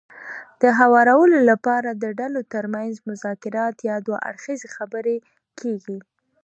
د هوارولو لپاره د ډلو ترمنځ مذاکرات يا دوه اړخیزې خبرې کېږي.